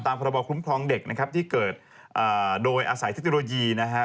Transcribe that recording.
พระบอคุ้มครองเด็กนะครับที่เกิดโดยอาศัยเทคโนโลยีนะฮะ